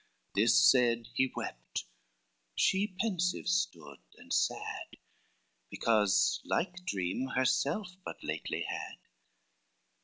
This said, he wept, she pensive stood and sad, Because like dream herself but lately had.